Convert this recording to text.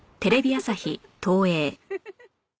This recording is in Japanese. フフフフ！